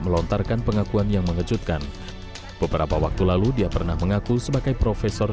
melontarkan pengakuan yang mengejutkan beberapa waktu lalu dia pernah mengaku sebagai profesor